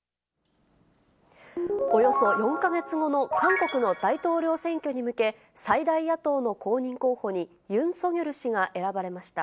およそ４か月後の韓国の大統領選挙に向け、最大野党の公認候補に、ユン・ソギョル氏が選ばれました。